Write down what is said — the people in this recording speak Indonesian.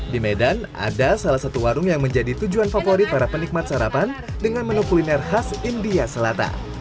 di medan ada salah satu warung yang menjadi tujuan favorit para penikmat sarapan dengan menu kuliner khas india selatan